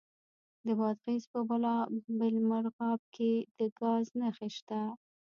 د بادغیس په بالامرغاب کې د ګاز نښې شته.